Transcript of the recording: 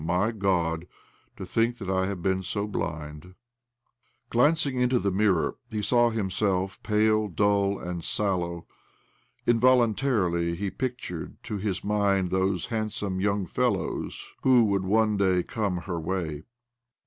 My God, to think that I should have been so blind 1 " Glancing into the mirror, he saw himself pale, dull, and sallow. Involuntarily he pictured to his mind those handsome young fellows who would one day come her way.